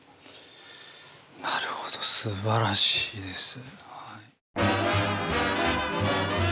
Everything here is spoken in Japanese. なるほどすばらしいです。